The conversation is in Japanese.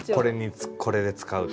これで使うと。